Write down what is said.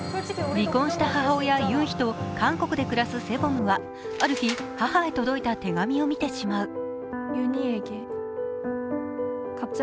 離婚した母親・ユンヒと韓国で暮らすセボムは、ある日、母に届いた手紙を見てしまう。